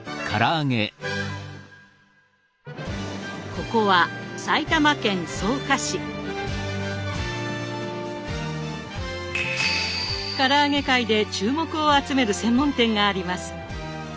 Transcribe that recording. ここはから揚げ界で注目を集める専門店があります。